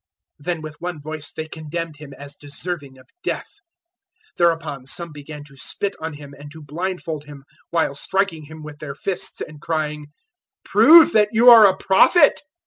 Then with one voice they condemned Him as deserving of death. 014:065 Thereupon some began to spit on Him, and to blindfold Him, while striking Him with their fists and crying, "Prove that you are a prophet."